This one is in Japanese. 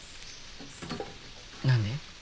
何で？